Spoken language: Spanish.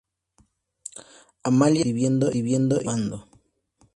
Amalia sigue escribiendo y triunfando.